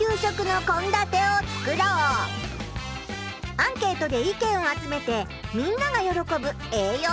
アンケートで意見を集めてみんながよろこぶえいよう